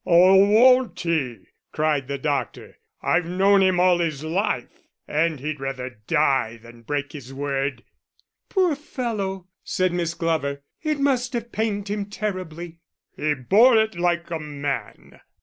"Oh, won't he!" cried the doctor. "I've known him all his life, and he'd rather die than break his word." "Poor fellow!" said Miss Glover, "it must have pained him terribly." "He bore it like a man."